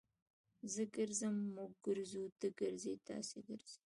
زه ګرځم. موږ ګرځو. تۀ ګرځې. تاسي ګرځئ.